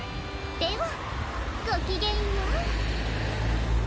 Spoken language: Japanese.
ではごきげんよう。